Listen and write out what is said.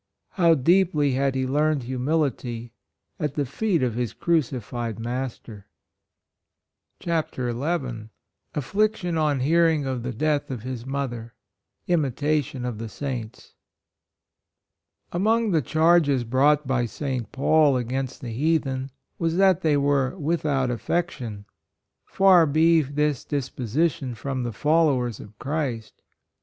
How deeply had he learned humility at the feet of his Crucified Master. 10 ' Chapter XI. priion on fearing of tfe msih of fits oifer—JmtMon of tfe fente. MOJSTGr the charges brought by St. Paul against the heathen was, that they were " without affection." Far be this disposition from the followers of Christ.